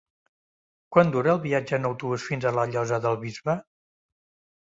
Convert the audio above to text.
Quant dura el viatge en autobús fins a la Llosa del Bisbe?